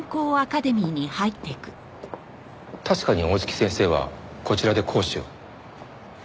確かに大槻先生はこちらで講師を。